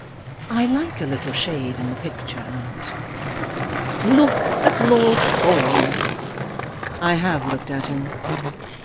"I like a little shade in the picture, aunt." "Look at Lord Fawn." "I have looked at him."